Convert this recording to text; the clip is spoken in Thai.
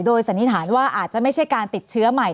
สันนิษฐานว่าอาจจะไม่ใช่การติดเชื้อใหม่